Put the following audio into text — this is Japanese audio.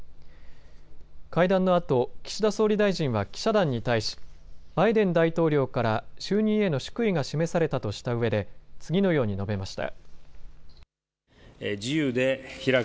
会談のあと、岸田総理大臣は記者団に対しバイデン大統領から就任への祝意が示されたとしたうえで次のように述べました。